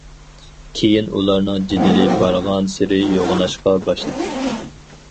كېيىن ئۇلارنىڭ جېدىلى بارغانسېرى يوغىناشقا باشلىدى.